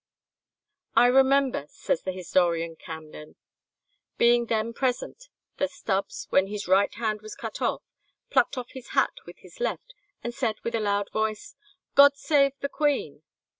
"I remember," says the historian Camden, "being then present, that Stubbs, when his right hand was cut off, plucked off his hat with his left, and said with a loud voice, 'God save the queen.'